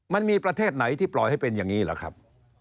มันมีประเทศไหนที่ปล่อยให้เป็นอย่างนี้เหรอครับ